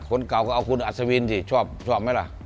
คนเก่าก็เอาคุณอาจวิชชอบไม่ละ